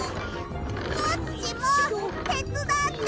コッチもてつだってよ！